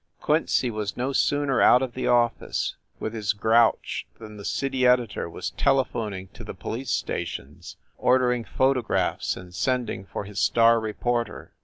Quincy was no sooner out of the office with his grouch than the city editor was telephoning to the police stations, ordering photographs and sending for his star reporter.